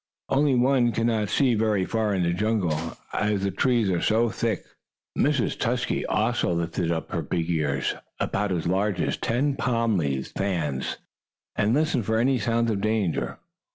Only one cannot see very far in the jungle, as the trees are so thick. Mr. Tusky also lifted up his big ears, about as large as ten palm leaf fans, and listened for any sounds of danger.